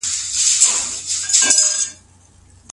که دخول صورت نيولی وي نکاح څه حکم لري؟